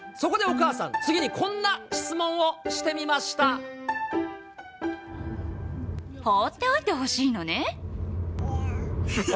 そこでお母さん、次にこんな質問放っておいてほしいのね？